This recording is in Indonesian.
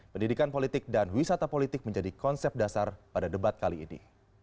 pendidikan politik dan wisata politik menjadi konsep dasar pada debat kali ini